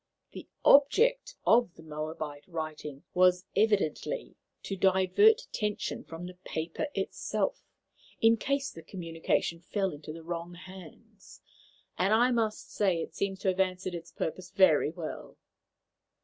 The object of the Moabite writing was evidently to divert attention from the paper itself, in case the communication fell into the wrong hands, and I must say it seems to have answered its purpose very well."